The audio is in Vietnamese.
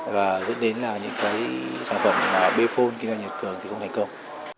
và dẫn đến là những sản phẩm bphone kinh doanh thịt cường thì không hành công